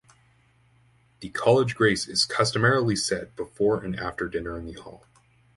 The college grace is customarily said before and after dinner in the hall.